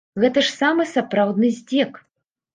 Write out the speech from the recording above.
Гэта ж самы сапраўдны здзек!